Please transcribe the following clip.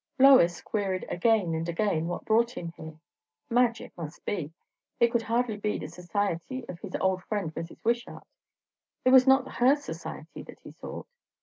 Lois queried again and again what brought him there? Madge it must be; it could hardly be the society of his old friend Mrs. Wishart. It was not her society that he sought.